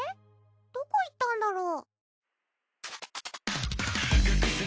どこ行ったんだろう。